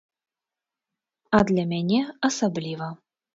А для мяне асабліва.